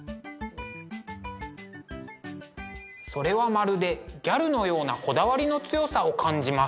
それはまるでギャルのようなこだわりの強さを感じます。